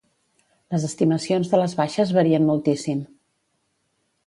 Les estimacions de les baixes varien moltíssim.